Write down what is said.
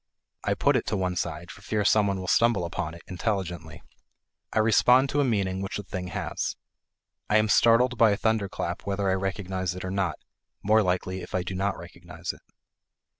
I put it to one side for fear some one will stumble upon it, intelligently; I respond to a meaning which the thing has. I am startled by a thunderclap whether I recognize it or not more likely, if I do not recognize it.